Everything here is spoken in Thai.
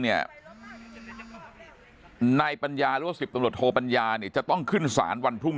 นายปัญญาหรือว่า๑๐ตำรวจโทปัญญาเนี่ยจะต้องขึ้นศาลวันพรุ่ง